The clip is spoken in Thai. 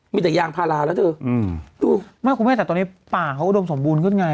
มีแต่ยางพาราแล้วเธออืมดูไม่คุณแม่แต่ตอนนี้ป่าเขาอุดมสมบูรณ์ขึ้นไง